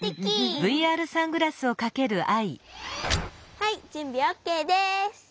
はいじゅんびオッケーです。